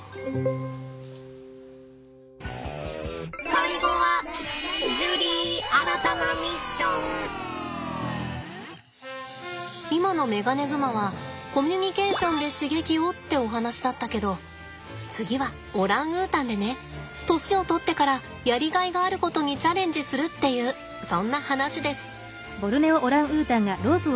最後は今のメガネグマはコミュニケーションで刺激をってお話だったけど次はオランウータンでね年をとってからやりがいがあることにチャレンジするっていうそんな話です。